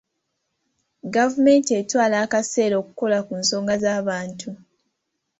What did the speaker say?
Gavumenti etwala akaseera okukola ku nsonga z'abantu.